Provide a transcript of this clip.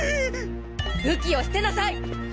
武器を捨てなさい！